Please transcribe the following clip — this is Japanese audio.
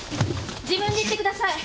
自分で行ってください。